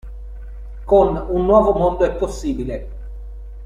Con "Un nuovo mondo è possibile!